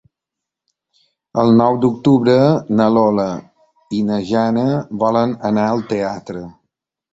El nou d'octubre na Lola i na Jana volen anar al teatre.